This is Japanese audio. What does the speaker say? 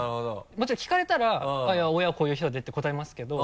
もちろん聞かれたら「親こういう人で」って答えますけど。